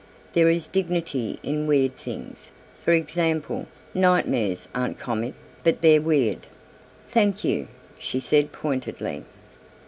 There is dignity in weird things. For example, nightmares aren't comic but they're weird." "Thank you," she said pointedly.